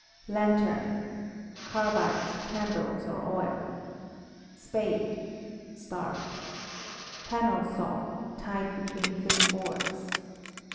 Lantern. "^ Carbide, candles, or oil. *Spade. *Panel saw (tied between thin boards).